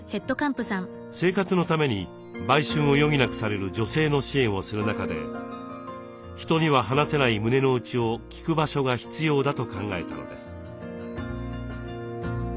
生活のために売春を余儀なくされる女性の支援をする中で人には話せない胸のうちを聞く場所が必要だと考えたのです。